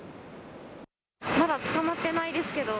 まだ捕まってないですけど。